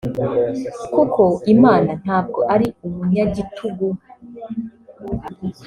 Kuko Imana ntabwo ari umunyagitugu